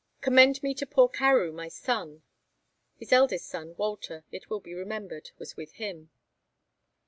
Commend me to poor Carew my son.' His eldest son, Walter, it will be remembered, was with him.